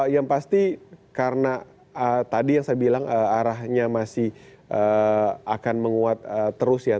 yang pasti karena tadi yang saya bilang arahnya masih akan menguat terus ya